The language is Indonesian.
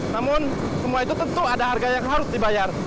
namun semua itu tentu ada harga yang harus dibayar